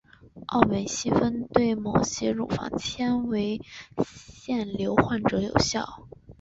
奥美昔芬对某些乳房纤维腺瘤患者有效。